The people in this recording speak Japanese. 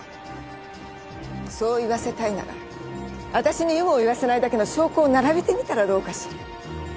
そう言わせたいなら私に有無を言わせないだけの証拠を並べてみたらどうかしら？